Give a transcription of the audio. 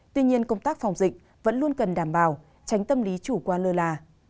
tuy nhiên công tác phòng dịch vẫn luôn cần đảm bảo tránh tâm lý chủ quan lơ là